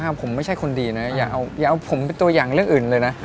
ผมไม่ใช่คนดีนะอย่าเอาผมเป็นตัวอย่างเรื่องอื่นเลยนะ